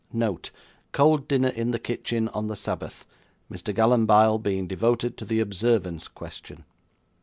Note. Cold dinner in the kitchen on the Sabbath, Mr. Gallanbile being devoted to the Observance question.